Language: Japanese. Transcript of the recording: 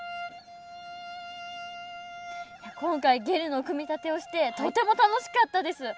今回ゲルの組み立てをしてとても楽しかったです。